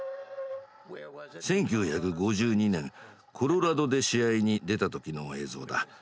１９５２年コロラドで試合に出た時の映像だ。